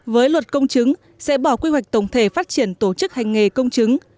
với luật công chứng sẽ bỏ quy hoạch tổng thể phát triển tổ chức hành nghề công chứng